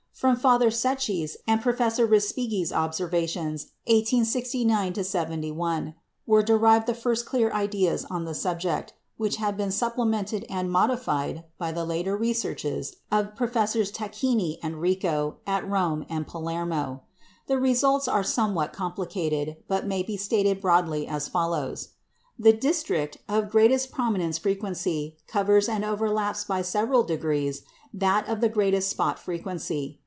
From Father Secchi's and Professor Respighi's observations, 1869 71, were derived the first clear ideas on the subject, which have been supplemented and modified by the later researches of Professors Tacchini and Riccò at Rome and Palermo. The results are somewhat complicated, but may be stated broadly as follows. The district of greatest prominence frequency covers and overlaps by several degrees that of the greatest spot frequency.